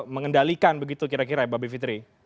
mengendalikan begitu kira kira ya mbak bivitri